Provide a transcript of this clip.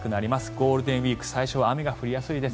ゴールデンウィーク最初は雨が降りやすいです。